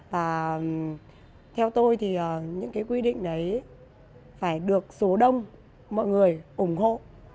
và theo tôi thì những cái quy định đấy phải được số đông mọi người ủng hộ